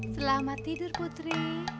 selamat tidur putri